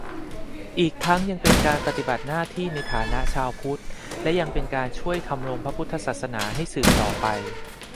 อีกทั้งยังเป็นการปฏิบัติหน้าที่ในฐานะชาวพุทธ และยังเป็นการช่วยธำรงพระพุทธศาสนาให้สืบต่อไป